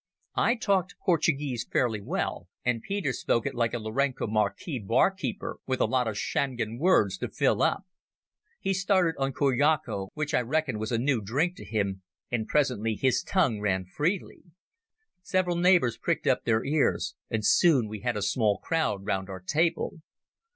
I talked Portuguese fairly well, and Peter spoke it like a Lourenco Marques bar keeper, with a lot of Shangaan words to fill up. He started on curacao, which I reckoned was a new drink to him, and presently his tongue ran freely. Several neighbours pricked up their ears, and soon we had a small crowd round our table.